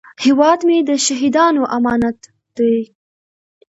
هیواد مې د شهیدانو امانت دی